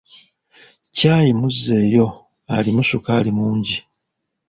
Caai muzeeyo alimu ssukaali mungi.